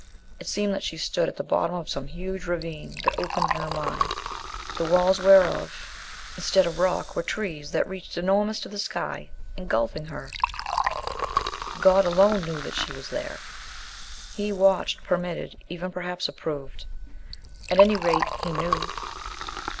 It seemed that she stood at the bottom of some huge ravine that opened in her mind, the walls whereof instead of rock were trees that reached enormous to the sky, engulfing her. God alone knew that she was there. He watched, permitted, even perhaps approved. At any rate He knew.